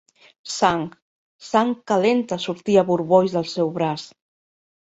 Sang, sang calenta sortia a borbolls del seu braç.